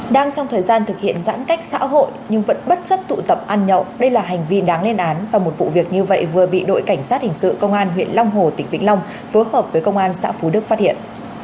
đang trong thời gian thực hiện giãn cách xã hội nhưng vẫn bất chấp tụ tập ăn nhậu đây là hành vi đáng lên án và một vụ việc như vậy vừa bị đội cảnh sát hình sự công an huyện long hồ tỉnh vĩnh long phối hợp với công an xã phú đức phát hiện